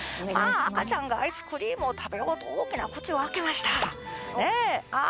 赤ちゃんがアイスクリームを食べようと大きな口を開けましたねえあ